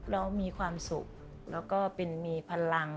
เรามีความสุขและบริเวณอ๋อลังค์